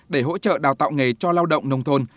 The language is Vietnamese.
để hỗ trợ đào tạo nghề cho lao động nông thôn